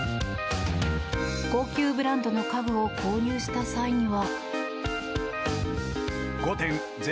高級ブランドの家具を購入した際には。